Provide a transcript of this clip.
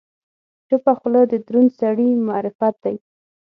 چپه خوله، د دروند سړي معرفت دی.